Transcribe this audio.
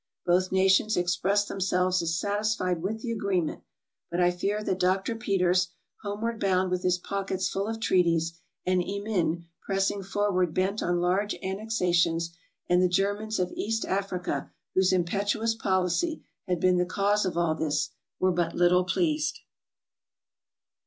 Both nations expressed themselves as satisfied with the agreement, but I fear that Dr. Peters, homeward bound with his pockets full of treaties, and Emin pressing forward bent on large an nexations and the Germans of East Africa whose impetuous policy had been the cause of all this, were but little pleased.